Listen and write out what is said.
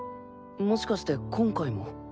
もしかして今回も？